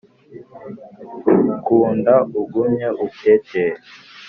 kunda ugumye utete